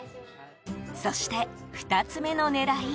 そして、２つ目の狙い。